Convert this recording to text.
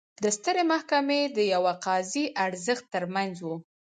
د سترې محکمې د یوه قاضي ارزښت ترمنځ و.